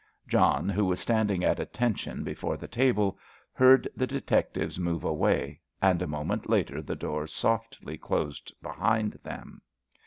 John, who was standing at attention before the table, heard the detectives move away, and a moment later the door softly closed behind them.